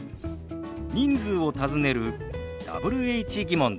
人数を尋ねるＷｈ−疑問です。